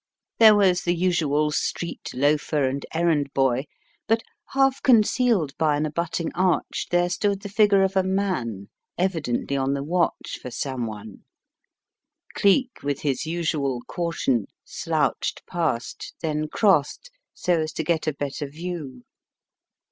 Complications and Complexities 99 There was the usual street loafer and errand boy, but half concealed by an abutting arch there stood the figure of a man, evidently on the watch for some one. Geek, with his usual caution, slouched past, then crossed so as to get a better view.